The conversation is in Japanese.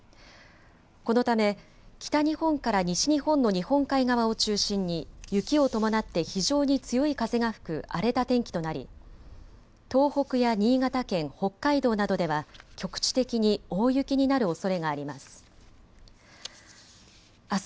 このため北日本から西日本の日本海側を中心に雪を伴って非常に強い風が吹く荒れた天気となり東北や新潟県、北海道などでは局地的に大雪になるおそれがあります。